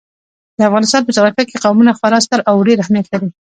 د افغانستان په جغرافیه کې قومونه خورا ستر او ډېر اهمیت لري.